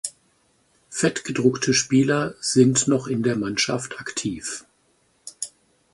Fettgedruckte Spieler sind noch in der Mannschaft aktiv.